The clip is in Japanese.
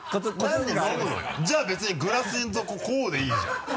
じゃあ別にグラスこうでいいじゃん。